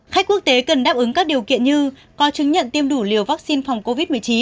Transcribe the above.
khách quốc tế cần đáp ứng các điều kiện như có chứng nhận tiêm đủ liều vaccine phòng covid một mươi chín